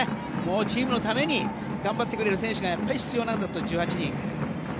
チームのために頑張ってくれる選手が必要なんだと。